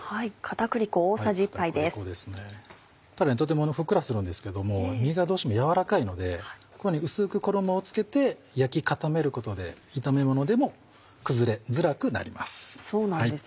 たらとてもふっくらするんですけども身がどうしても軟らかいのでこのように薄く衣を付けて焼き固めることで炒めものでも崩れづらくなります。